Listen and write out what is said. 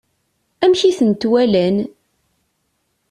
Amek i tent-walan?